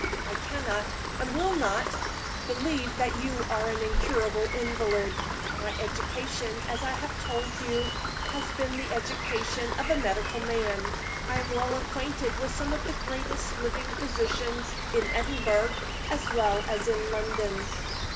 I cannot, and will not, believe that you are an incurable invalid. My education, as I have told you, has been the education of a medical man. I am well acquainted with some of the greatest living physicians, in Edinburgh as well as in London.